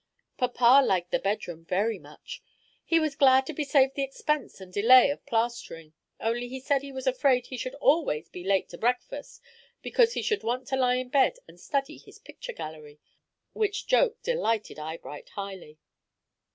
Papa liked the bedroom very much. He was glad to be saved the expense and delay of plastering, only he said he was afraid he should always be late to breakfast, because he should want to lie in bed and study his picture gallery, which joke delighted Eyebright highly.